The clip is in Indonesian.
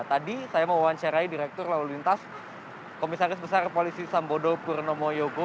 tadi saya mewawancarai direktur lalu lintas komisaris besar polisi sambodo purnomo yogo